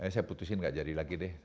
saya putusin tidak jadi lagi deh